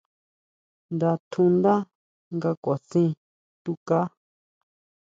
Nda tjundá nga kʼuasin tukaá.